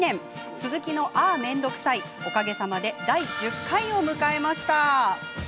「鈴木のあーめんどくさい」おかげさまで第１０回を迎えました。